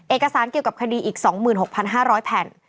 เอกสารเกี่ยวกับคดีอีก๒๖๕๐๐แผ่น